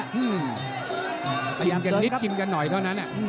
และนิดกินกันน่อน